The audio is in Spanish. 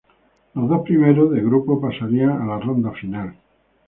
Los dos primeros de grupo pasarían a la ronda final.